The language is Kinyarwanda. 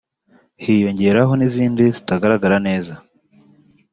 hiyongeraho n’izindi zitagaragara neza